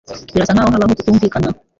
Birasa nkaho habaho kutumvikana.